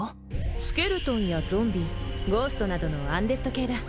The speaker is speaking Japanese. スケルトンやゾンビゴーストなどのアンデッド系だ